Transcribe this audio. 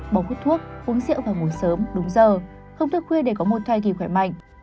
bỏ khuất thuốc uống rượu và ngủ sớm đúng giờ không thức khuya để có một thai kỳ khỏe mạnh